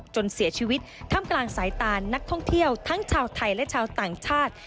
จนเสียชีวิตท่ามกลางสายตานักท่องเที่ยวทั้งชาวไทยและชาวต่างชาติ